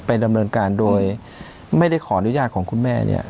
ดำเนินการโดยไม่ได้ขออนุญาตของคุณแม่เนี่ย